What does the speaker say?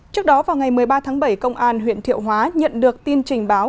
trước đó vào ngày một mươi ba tháng bảy công an huyện thiệu hóa nhận được tin trình báo